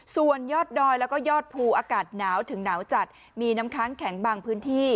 ส่วนยอดดอยแล้วก็ยอดภูอากาศหนาวถึงหนาวจัดมีน้ำค้างแข็งบางพื้นที่